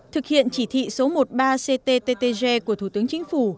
thực hiện chỉ thị số một mươi ba cttg của thủ tướng chính phủ